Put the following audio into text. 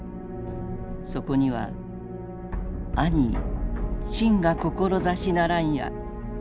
そこには「豈朕が志ならんや」。